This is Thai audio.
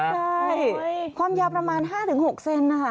ใช่ความยาวประมาณ๕๖เซนนะคะ